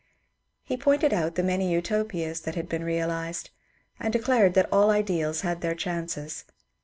He pointed out the many Utopias that had been realized, and declared that all ideals had their chances.